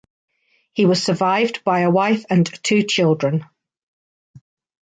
He was survived by a wife and two children.